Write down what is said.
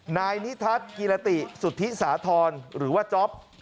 นายนิทัศน์กิรติสุธิสาธรณ์หรือว่าจ๊อป